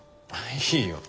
いいよ。